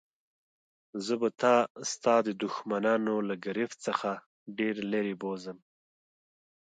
زه به تا ستا د دښمنانو له ګرفت څخه ډېر لیري بوزم.